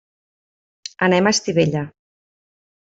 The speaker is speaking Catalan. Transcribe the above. Anem a Estivella.